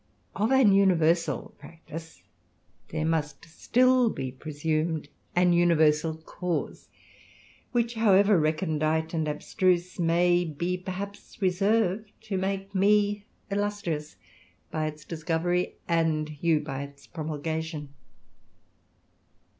Of an universal practice, there must still be presumed an universal cause, which, however recondite and abstruse, may be perhaps reserved to make me illustrious by its discovery, and you by its promulgation.